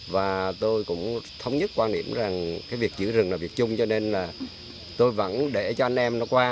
và tôi cũng thống nhất quan điểm rằng cái việc giữ rừng là việc chung cho nên là tôi vẫn để cho anh em nó qua